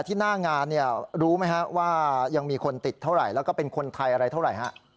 หน้างานเนี่ยรู้ไหมฮะว่ายังมีคนติดเท่าไหร่แล้วก็เป็นคนไทยอะไรเท่าไหร่ฮะ